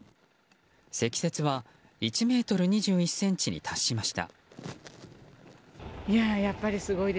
積雪は１ｍ２１ｃｍに達しました。